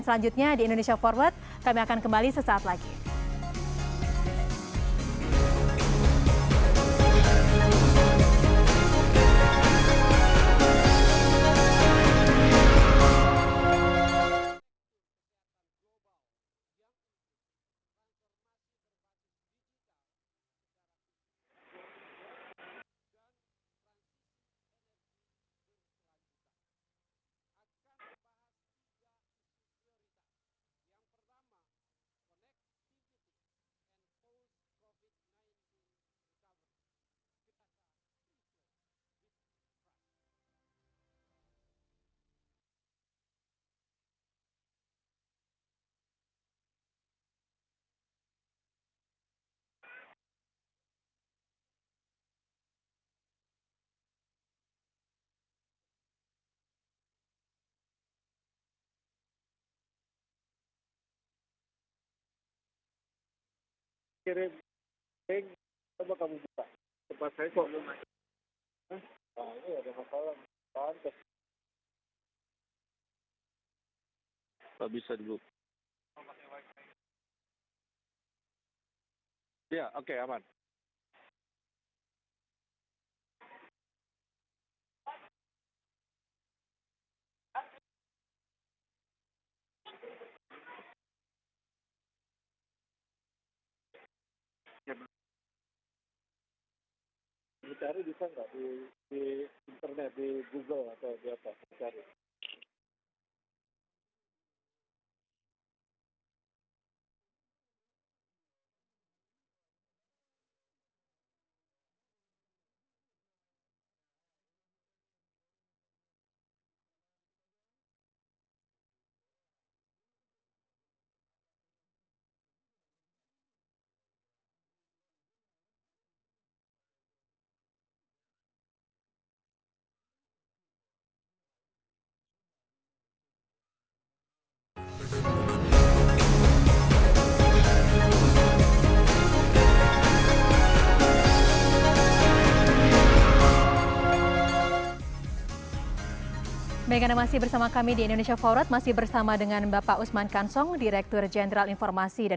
selanjutnya di indonesia forward